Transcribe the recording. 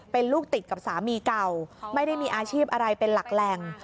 เป็นลูกติดกับสามีเก่าไม่ได้มีอาชีพอะไรเป็นหลักแหล่ง